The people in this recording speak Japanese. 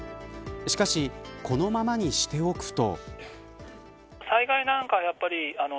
しかし、このままにしておくと。